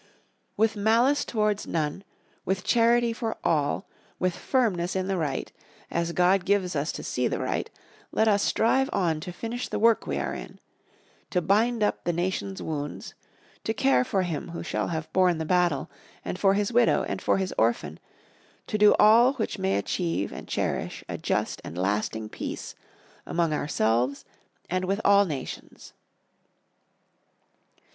"With malice towards none, with charity for all, with firmness in the right, as God gives us to see the right, let us strive on to finish the work we are in; to bind up the nation's wounds; to care for him who shall have borne the battle, and for his widow, and for his orphan to do all which may achieve and cherish a just and lasting peace among ourselves and with all nations."